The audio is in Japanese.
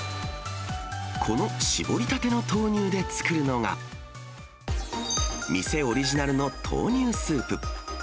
この搾りたての豆乳で作るのが、店オリジナルの豆乳スープ。